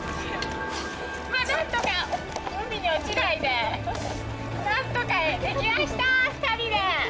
まあ何とか海に落ちないで何とかできました、２人で。